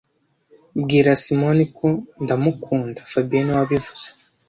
Bwira Simoni ko ndamukunda fabien niwe wabivuze